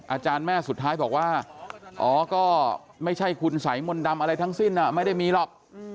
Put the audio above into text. อาจารย์แม่สุดท้ายบอกว่าอ๋อก็ไม่ใช่คุณสัยมนต์ดำอะไรทั้งสิ้นไม่ได้มีหรอก